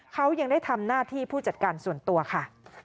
เขายังได้ทำหน้าที่ผู้จัดการส่วนตัวค่ะ